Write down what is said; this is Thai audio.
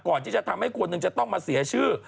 ก่อนที่จะทำให้คนหนึ่งจะต้องมาเสียชื่อ